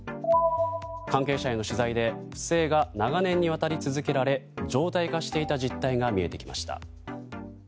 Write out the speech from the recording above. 関係者への取材で不正が長年にわたり続けられ常態化していた実態が見えてきました。